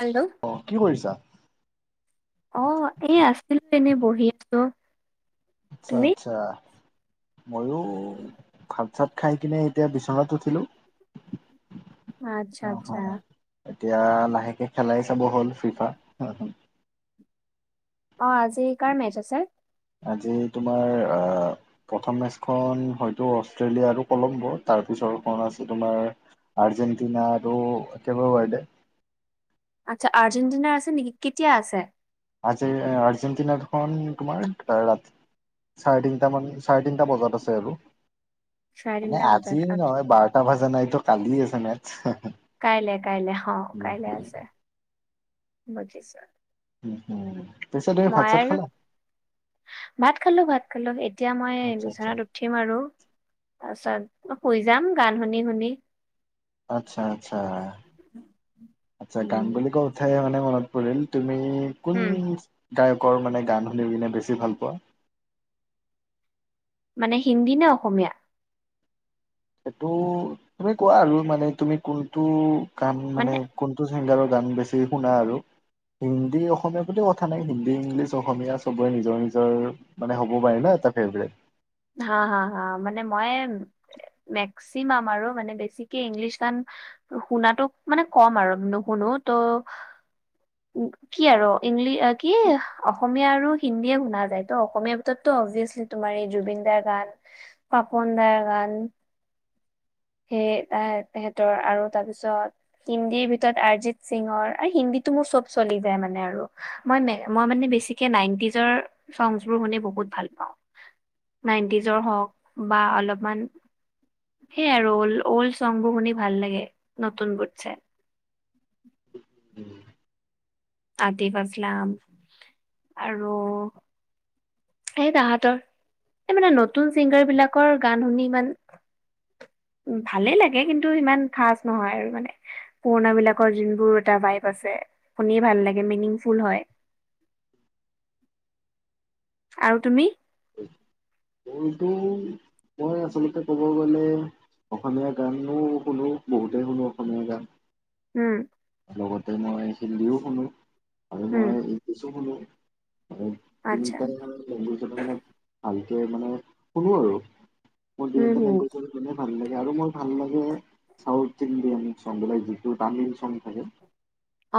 Hello. অহ কি কৰিছা? অহ এই আছিলো এনে বহি আছো আচ্ছা তুমি? আচ্ছা মইয়ো ভাত চাত খাই কিনে এতিয়া বিচনাত উঠিলোঁ আচ্ছা আচ্ছা এতিয়া লাহেকে খেলাই চাব হ'ল ফিফা অহ আজি কাৰ মেচ আছে? আজি তোমাৰ আহ প্ৰথম মেচখন হয়তো অষ্ট্ৰেলিয়া আৰু কলম্ব' তাৰপিছত তেওঁ আছে তোমাৰ আৰ্জেণ্টিনাটো আৰু একেলৱাৰডে আচ্ছা আৰ্জেণ্টিনাৰ আছে নেকি কেতিয়া আছে? আজি আৰ্জেণ্টিনাৰ তোমাৰ ৰাতি। চাৰে তিনিটা মান চাৰে তিনিটা বজাত আছে আৰু চাৰে মানে তিনটা বজাত, আজি আচ্ছা, নহয় বাৰটা বজা নাই তো কালিয় আছে মেট কাইলে কাইলে হ কাইলে আছে বুজিছ। পিছো তুমি ভাত চাত খালা। ভাত খালো ভাত খালো এতিয়া মই আচ্ছা আচ্ছা বিচনাত উঠিম আৰু তাৰপিছত অ শুই যাম গান শুনি শুনি আচ্ছা আচ্ছা আচ্ছা গান উম, বুলি কওঁতে মানে নে মনত পৰিল তুমি কোন উম, গায়কৰ কৰ মানে গান শুনি কিনে বেছি ভাল পোৱা মানে হিন্দী নে অসমীয়া সেইটো তুমি কোৱা আৰু মানে তুমি কোনটো গান মানে কোনটো চিংগাৰ গান বেছি শুনা আৰু হিন্দী অসমীয়াৰ প্ৰতিও কথা নাই হিন্দী ইংলিছ অসমীয়া চবৰে নিজৰ নিজৰ মানে হ'ব পাৰে ন এটা ফেভাৰিট হা হা হা মানে মই মেক্সিমাম আৰু মানে বেছিকে ইংলিছ গান শুনাতো মানে কম আৰু নুশুনো অ ত [unintelligible] কি আৰু ইংলি কি অসমীয়া আৰু হিন্দীয়ে শুনা যায় ত অসমীয়া ভিতৰতো অভিয়াচলি তোমাৰ এই জুবিন দাৰ গান পাপন দাৰ গান সেই ত তেহেতৰ আৰু তাৰ পিছত হিন্দীৰ ভিতৰত আৰ্জিত সিঙঁহৰ আৰু হিন্দী মোৰ চব চলি যায় মানে আৰু মই মানে বেছিকে নাইন টিজৰ চঙ বোৰ শুনি বহুত ভাল পাওঁ নাইনটিজৰ হওক বা অলপ সেই আৰু অল্ড চংবোৰ শুনি ভাল লাগে নতুন বুতছে উম আতিম আপফ্লাম আৰু এই তাহতৰ এই মানে নতুন চিংগাৰ বিলাকৰ গান শুনি ইমান [unintelligible] উ ভালে লাগে কিন্তু ইমান খাচ নহয় আৰু মানে পুৰণা বিলাকৰ যোনবোৰ এটা বাইক আছে। শুনি ভাল লাগে মিনিং ফুল হয় [unintelligible] আৰু তুমি মটো মই আচলতে ক'ব গলে অসমীয়া গানো শুনো বহুতেই শুনো অসমীয়া গান উম লগতে মই হিন্দীও শুনো আৰু উম মই ইংলিছো শুনো আচ্ছা তিনিটা লেংগুৱেজ মানে ভালকে মানে শুনো আৰু মোৰ হুম [unintelligible] হুম এতিয়া আৰু মোৰ ভাল লাগে চাউথ ইণ্ডিয়ান চঙ বিলাক যিটো তামিল চঙ থাকে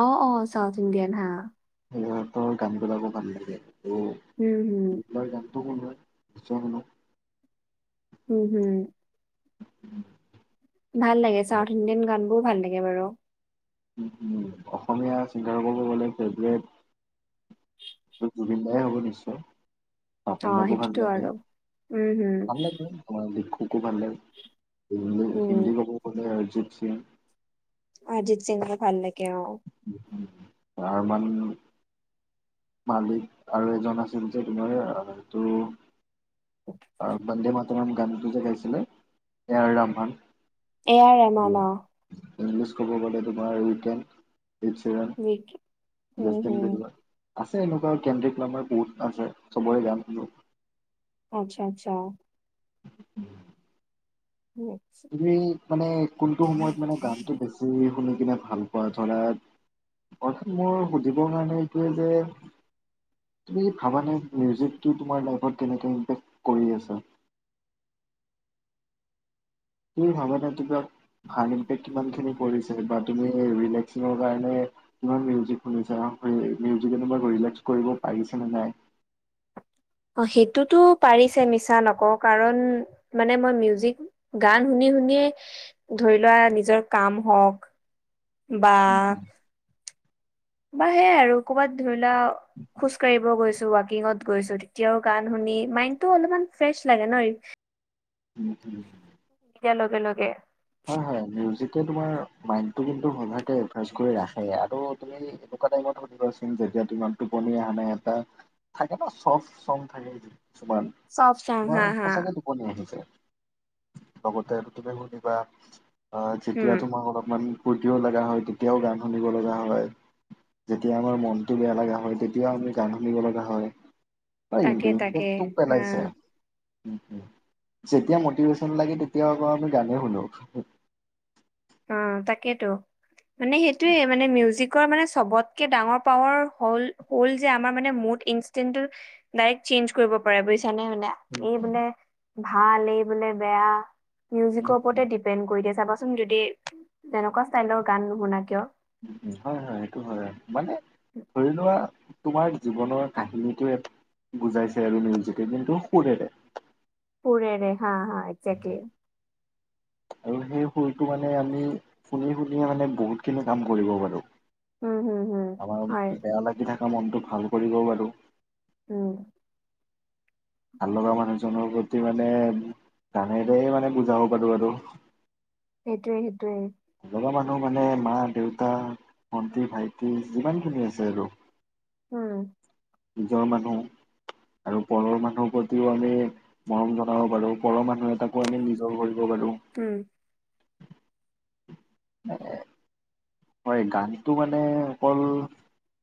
অ অ চাউথ ইণ্ডিয়ান হা সিহঁতৰ গান গান বিলাকো ভাল লাগে ত' উম হম [unintelligible] উম হম উম [unintelligible] ভাল লাগে চাউথ ইণ্ডিয়ান গান বোৰ ভাল লাগে বাৰু অসমীয়া চিংগাৰ কব গ'লে ফেভৰেট জুবিন দাই হ'ব নিশ্চয় অ পাপনদাকো ভাল সেইটোতো লাগে, আৰু উম হুম ভাল লাগে তোমাৰ [unintelligible] মোকো ভাল লাগে উম হিন্দী কব কলে অৰিজিত সিং অৰ্জিত সিংৰ ভাল লাগে অ উ তাৰ মান মালিক আৰু এজন আছিল যে তোমাৰ টোৰো বন্দে মাতাৰম গানটো যে গাইছিলে A R Rahman A R Rahman [unintelligible] English ক'ব গ'লে তোমাৰ উইটেন লিপ চিৰেন, উম জেষ্টিন হম বেৰুৱা [unintelligible] আছে এনেকুৱা কেন্দ্ৰিকামাৰ বহুত আছে চবৰে গান শুনো আচ্ছা আচ্ছা উম উম, তুমি মানে কোনটো সময়ত মানে গানটো বেছি শুনি নে ভাল পোৱা ধৰা অৰ্থাৎ মোৰ সুধিবৰ কাৰণে এইটোৱে যে তুমি ভাবানে মিউজিকটো তোমাৰ লাইফত কেনেকৈ ইম্পেক্ট কৰি আছে [unintelligible] তু ভাবা [unintelligible] কিমানখিনি কৰি বা তুমি ৰিলেকচিংৰ কাৰণে কিমান মিউজিক শুনিছা [unintelligible] শুনিছে ন এনেকুৱা কৰি [unintelligible] কৰিব পাৰিছানে নাই অ সেইটোতো পাৰিছে মিছা নকওঁ কাৰণ মানে মই মিউজিক গান শুনি শু শুনিয়ে ধৰি লোৱা নিজৰ কাম হওক বা বা সেয়াই আৰু ক'ৰবাত ধৰি লা খোজকাঢ়িব গৈছে ৱাকিঙত গৈছো তেতিয়াও গান শুনি মাইন্তো অলপমান ফ্ৰেছ লাগে ন। উম উম। এতিয়াৰ লগে লগে। হয় হয় মিউজিক। কে তোমাৰ মাইন্দটো কিন্তু সচাকে ৰিফ্ৰেছ কৰি ৰাখে আৰু তুমি এনেকুৱা টাইমত সুধিবা চোন। এটিয়া টোপনি অহা নাই এটা থাকে ন চফ চং থাকে। কিছুমান চব চাং তোমাৰ হা হা সঁচাকে টোপনি আহি যায়। লগতে [unintelligible] শুনিবা। অ যেতিয়া উম তোমাক অলপমান ফূুৰ্তিও লগা হয় তেতিয়াও গান শুনিব লগা হয়। যেতিয়া আমাৰ মনটো বেয়া লগা হয় তেতিয়াও আমি গান শুনিব লগা হয়। ন ই তাকে ই তাকে তো হা পেলাইছে। যেতিয়া মটিভেশ্যন লাগে তেতিয়া আকৌ আমি গানেই শুনো। অ তাকেইেতো মানে সেইটোয়ে মানে মিউজিক। মানে চবতকে ডাঙৰ পাৱাৰ হল হল যে আমাৰ মানে মোদ ইনচটিন্ট টো। চেঞ্জ কৰিব পাৰে বুজিছা নে মানে এই বোলে ভাল এই বোলে বেয়া। মিউজিকৰ ওপৰতে ডিপেণ্ড কৰি দিয়ে চাবাচোন যদি তেনেকুৱা ষ্টাইলৰ গান নুশুনা কিয়। হয় হয় সেইটো হয়। মানে ধৰি লোৱা তোমাৰ জীৱনৰ কাহিনীটো এক। বুজাইছে আৰু মিউজিতে কিন্তু সুৰেৰে। সুৰেৰে হা হা একজেক্টলি। আৰু সেই শুৰটো মানে আমি শুনি শুনিয়ে মানে বহুতখিনি কাম কৰিব পাৰোঁ। উম হুম হুম আমাৰ হয় বেয়া লাগি থকা মনটো ভাল কৰিব পাৰো। উম। ভাল লগা মানুহ জনৰ প্ৰতি মানে। গানেৰেই মানে বুজাব পাৰো আৰু। সেইটোৱে সেইটোৱেই। ভা মানুহ মানে মা দেউতা ভন্টি ভাইটি যিমানখিনি আছে আৰু। উম। নিজৰ মানুহ। আৰু পৰৰ মানুহৰ প্ৰতিও আমি মৰম জনাব পাৰো পৰৰ মানুহ। আৰু তাকো আমি নিজৰ কৰিব পাৰো। উম হয় গানটো মানে অকল।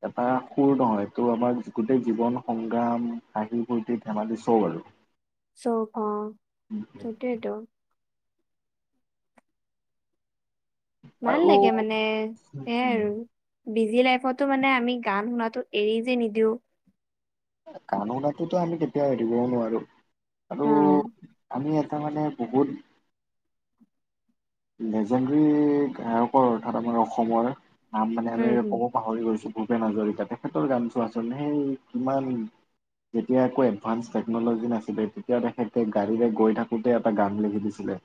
এটা সুৰ নহয় এইটো আমাৰ গোটেই জীৱন সংগ্ৰাম হাঁহি ফূৰ্তি ধেমালি চব আৰু। চৌ খ সেইটয়টো। ভাল আৰু লাগে মানে সেইয়াই আৰু। বিজি লাইফতো মানে আমি গান শুনটো এৰি যে নিদিও। [unintelligible] আমি কেতিয়াও এৰিবও নোৱাৰো আৰু উম, আমি। তাৰ মানে বহুত। লেজেণ্ডৰী গায়কৰ অৰ্থাৎ আমাৰ অসমৰ। নাম মানে উম, আমি হুম, কব পাহৰি গৈছো। ভূপেন হাজৰিকা তেখেতৰ গান চোৱা চোন সেই কিমান। যেতিয়া একো এডভান্স টেকন'লজি নাছিলে তেতিয়া তেখেতে গাড়ীৰে গৈ থাকোঁতে এটা গান লিখি দিছিলে।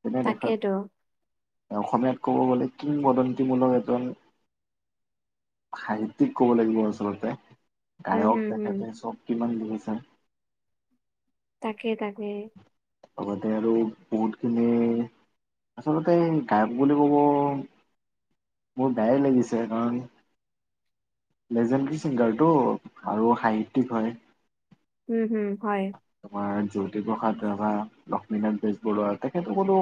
তেনে দেশত তাকেইেতো। অসমীয়াত ক'ব গ'লে কি বদন্তিমূলক এজন। সাহিত্যিক ক'ব লাগিব আচলতে। উম, গায়ক হুম, হুম, দেখাতে চব কিমান দিছে। তাকে তাকে। চবতে আৰু বহুতখিনি। আচলতে গায়ক বুলি ক'ব। মোৰ বেয়াই লাগিছে কাৰণ। লেজেণ্ডৰী ছিংগাৰটো আৰু সাহিত্যিক হয়। উম হুম হয় তোমাৰ জ্যোতিপ্ৰসাদ ৰাভা লক্ষ্মীনাথ বেজবৰুৱা তেখেতসকলো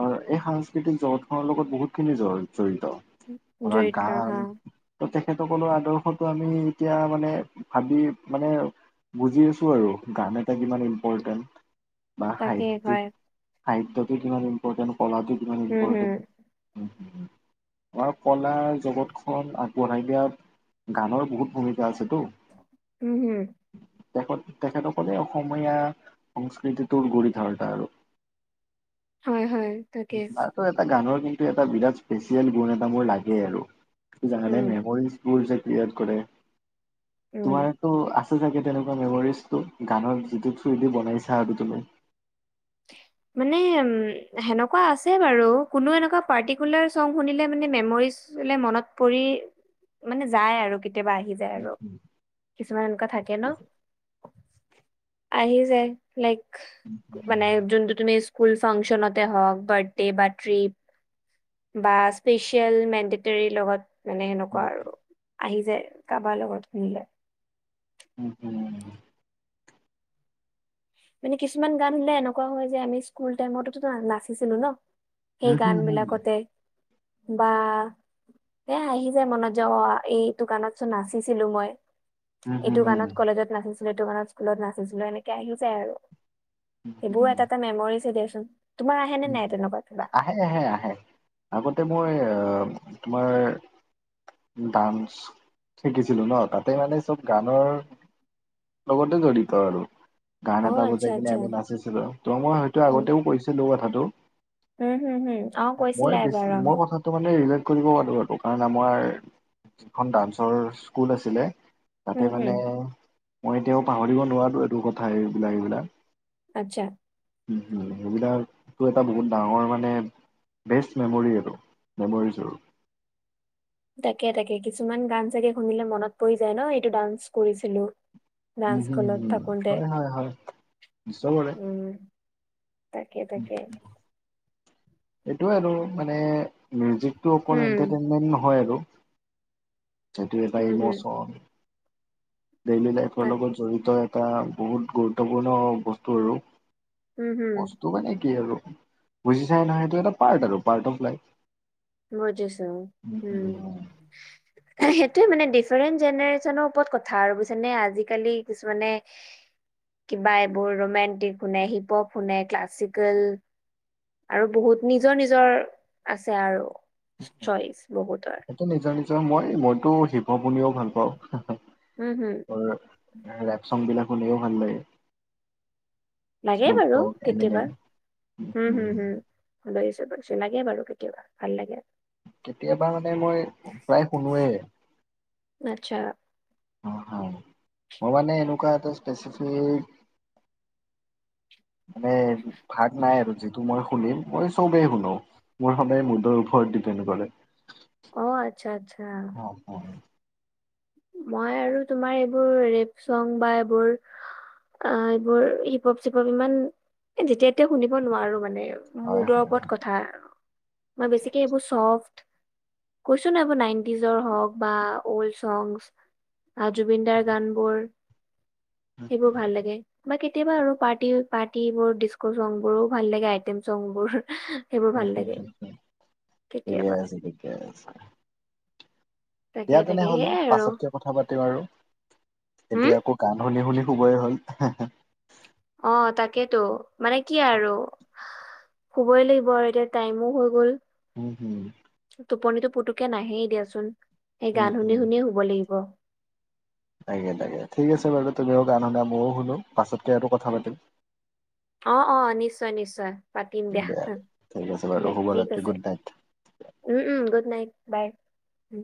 অ এই সাংস্কৃতিক জতখনৰ লগত বহুতখিনি জৰুৰিত জৰিত মানে দৰিদ্ৰ গান হা, প্ৰত্যেক তেখেতসকলৰ আদৰ্শতটো আমি এতিয়া মানে ভাবি মানে বুজি আছো আৰু গান এটা কিমান ইম্পৰ্টেণ্ট বা তাকে সাহিত্যিক হয়। সাহিত্যতো কিমান ইম্পৰ্টেণ্ট কলাটো কিমান উম, হুম, ইম্পৰ্টেণ্ট আমাৰ কলা জগতখন আগবঢ়াই দিয়া গানৰ বহুত ভূমিকা আছেতো উম হম তেখেত তেখেতসকলে অসমীয়া সংস্কৃতিটোৰ গৰি ধাৰটা আৰু হয়, হয়, তাকে। বো এটা গানৰ কিন্তু এটা বিৰাত ইছপিচিযেল গুণ এটা মোৰ লাগে আৰু, কি জানা নে উম, নাই, মই স্কুল ইয়াত কৰে উম, তোমাৰতো আছে চাগে তেনেকুৱা মেমৰিজটো গানৰ যিটো থ্ৰুদি বনাইছা টোলৈ মানে উ সেনেকুৱা আছে বাৰু কোনো এনেকুৱা পাৰ্টিকুলাৰ চং শুনিলে মানে মেমৰিজ মনত পৰি মানে যায় আৰু কেতিয়াবা আহি যায় আৰু কিছুমান এনেকুৱা থাকে ন আহি যাই লাইক উম মানে যোনটো তুমি স্কুল ফাংচনতে হওক বাৰ্থডে বা ট্ৰিপ বা স্পেচিয়েল মেন্ডেটেৰি লগত মানে সেনেকুৱা আৰু আহি যায় কাৰোবাৰ লগত শুনিলে উম হুম মানে কিছুমান গান হে এনেকুৱা হয় যে আমি স্কুল টাইমতো নাচিছিলো ন সেই হুম, গান হুম, হুম, বিলাকতে বা এ আহি যায় মনত যাওঁ এই দোকানতচোন নাচিছিলো মই এইটো হুম, গানত কলেজত নাচিছিলো এইটো গানত স্কুলত নাচছিলো এনেকে আহিলো যায় আৰু হুম, সেইবোৰ এটা এটা মেমৰিছে দিয়াচোন। তোমাৰ আহে নে উম নাই উম তেনেকুৱা কিবা আহে আহে আহে আগতে মই আহ তোমাৰ ডান্স শিকিছিলো ন তাতে মানে চব গানৰ লগতে জড়িত আৰু গান অ এটা আচ্ছা বজাই কিনে আচ্ছা আমি নাচিছিলো ত মই হয়তো উম আগতেও কৈছিলো কথাটো হম হম হম অ কৈছিলা মইবেছো এবাৰ অ ম ই কথাটো মানে ৰি কৰিব পাৰো আৰু কাৰণ আমাৰ যিখন ডান্সৰ স্কুল আছিলে তাতে হম হম মানে মই এতিয়াও পাহৰিব নোৱাৰো এইটো কথা এইবিলাক এইবিলাক আচ্ছা উম সুবিধা হয়। টো এটা বহুত ডাঙৰ মানে বেষ্ট মেমৰি এইটো, মেমৰিজৰ। তাকে, তাকে। কিছুমান গান চাগে শুনিলে মনত পৰি যায় ন এইটো ডান্স কৰিছিলো। উম ডান্স হম স্কুলত হম থাকোতে, হয় হয় হয় নিশ্চয় কৰে উম। তাকে, তাকে। এইটো আৰু মিউজিকটো অকল উম এন্টাৰটেইনমেন্ট নহয় আৰু। সেইটো এটা হম হম ইমোচন। ডেইলী লাইফৰ তাক লগত জড়িত এটা বহুত গুৰুত্বপূৰ্ণ বস্তু আৰু। উম হম বস্তু মানে কি আৰু বুজিচাই নহয়। সেইটো এটা পাৰ্ট আৰু পাৰ্ট অফ লাইফ। বুজিছোঁ, উম। সেইটো সেইটো মানে ডিফাৰেণ্ট জেনেৰেচনৰ ওপৰত কথা আৰু বুজিছা নে? আজিকালি কিছুমানে কিবা এইবোৰ ৰোমেণ্টিক শুনে, হিপপ শুনে, ক্লাছিকেল আৰু বহুত নিজৰ নিজৰ আছে আৰু চইচ বহুতৰ। নিজৰ মই মইতো শিৱ বনিও ভাল পাওঁ। উম হম ৰেপ চংচ বিলাক শুনিও ভাল লাগে। লাগে শ্লোক বাৰু ডগ কেতিয়াবা। এমিনেম হু-হু-হু। [unintelligible] লাগে বাৰু কেতিয়াবা ভাল লাগে। কেতিয়াবা মানে মই প্ৰায় শুনোৱেই। আচ্ছা। অ, হয় মই মানে এনেকুৱা এটা স্পেচিফিক [inaudible] মানে ভাগ নাই আৰু যিটো মই শুনিম মই চবেই শুনো। মোৰ সদায় মুদৰ ওপৰত ডিপেণ্ড কৰে। অহ আচ্ছা-আচ্ছা। হয় মই আৰু তোমাৰ এইবোৰ ৰেপ চং বা এইবোৰ অ, এইবোৰ হিপপ চিপপ ইমান যেতিয়া তেতিয়া শুনিব নোৱাৰো মানে। মুডৰ হয় ওপৰত কথা। মই বেছিকে এইবোৰ চফ্ট কৈছো ন এইবোৰ নাইনটিজৰ হওক বা অল্ড চংছ জুবিন দাৰ গানবোৰ সেইবোৰ ভাল লাগে। বা কেতিয়াবা আৰু পাৰ্টি পাৰ্টি বোৰ ডিচক' চং বোৰো ভাল লাগে, আইটেম চং বোৰ। সেইবোৰ উম ভাল লাগে হ-হ-হ ঠিকে কেতিয়াবা আছে, ঠিকে আছে। তাকে দিয়া তাকে তেনেহলে সেয়াই আৰু। পাছতকে কথা পাতিম আৰু। হুম এতিয়া আকৌ গান শুনি শুনি শুবৰে হল। অ, তাকেইতো মানে কি আৰু শুবই লাগিব আৰু এতিয়া টাইমো হৈ গ'ল। উম, হুম। পুতুকে নাহেই দিয়াচোন। সেই উম গান শুনি হুম। শুনিয়ে শুব লাগিব। তাকে, তাকে। ঠিক আছে বাৰু। তুমিও গান শুনা, ময়ো শুনো। পাছতকে আৰু কথা পাতিম। অ-অ নিশ্চয়, নিশ্চয়। পাতিম দিয়া। দে ঠিক আছে বাৰু দিয়া ঠিক শুভৰাত্ৰি আছে, good night. Um um good night. Bye উম।